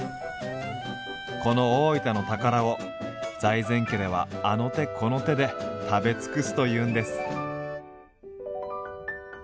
この大分の宝を財前家ではあの手この手で食べ尽くすというんです。